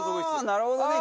なるほどね！